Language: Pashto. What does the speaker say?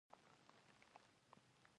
د جګړې او سولې ترمنځ موکه وه.